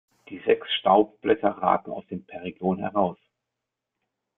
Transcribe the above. Die sechs Staubblätter ragen aus dem Perigon heraus.